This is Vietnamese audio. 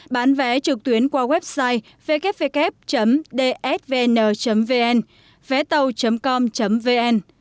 bán vé trực tuyến qua website www dsvn vn vétàu com vn